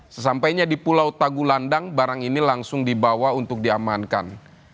sesampainya di pulau tagulandang barang ini langsung dibawa untuk diamankan